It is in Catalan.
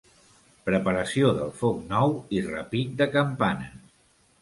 Preparació del foc nou i repic de campanes.